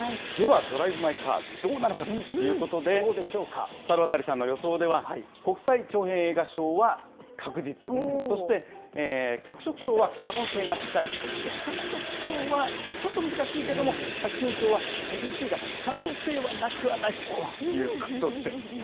では、ドライブ・マイ・カー、どうなのかということで、猿渡さんの予想では、国際長編映画賞は確実、そして脚色賞は可能性が高い、そして監督賞はちょっと難しいけれども、作品賞は厳しいが、可能性はなくはないということです。